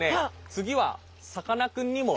次はさかなクンにも。